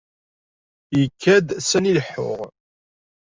Ikad sani leḥḥuɣ.